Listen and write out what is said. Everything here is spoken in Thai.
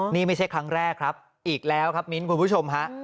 นี่ไม่ใช่ครั้งแรกครับอีกแล้วครับมิ้นท์คุณผู้ชมฮะ